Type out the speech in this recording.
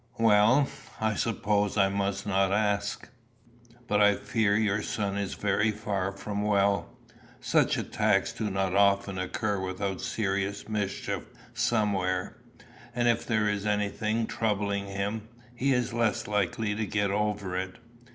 "Well, I suppose I must not ask. But I fear your son is very far from well. Such attacks do not often occur without serious mischief somewhere. And if there is anything troubling him, he is less likely to get over it."